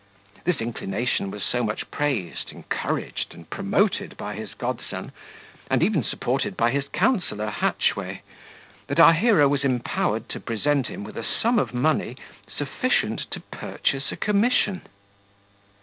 This inclination was so much praised, encouraged, and promoted by his godson, and even supported by his councilor Hatchway, that our hero was empowered to present him with a sum of money sufficient to purchase a commission.